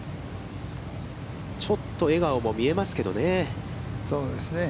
ちょっと笑顔も見えますけどね。